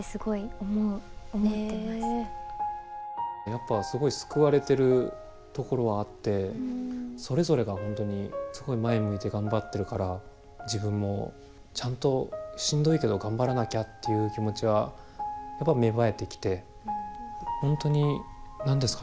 やっぱすごい救われてるところはあってそれぞれが本当にすごい前向いて頑張ってるから自分もちゃんとしんどいけど頑張らなきゃっていう気持ちはやっぱ芽生えてきて本当に何ですかね